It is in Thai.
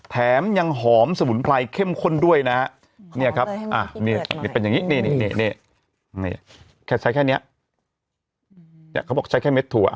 มันยังหอมสมุนไพรเข้มข้นด้วยนะฮะนี่ครับเป็นอย่างนี้ใช้แค่นี้เขาบอกใช้แค่เม็ดถั่ว